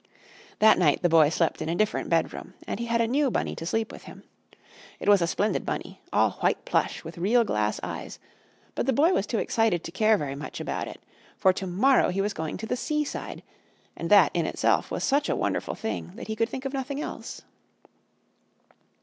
That night the Boy slept in a different bedroom, and he had a new bunny to sleep with him. It was a splendid bunny, all white plush with real glass eyes, but the Boy was too excited to care very much about it. For to morrow he was going to the seaside, and that in itself was such a wonderful thing that he could think of nothing else.